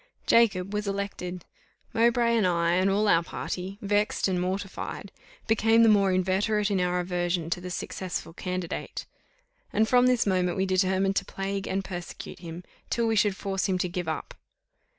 Jacob was elected. Mowbray and I, and all our party, vexed and mortified, became the more inveterate in our aversion to the successful candidate; and from this moment we determined to plague and persecute him, till we should force him to give up.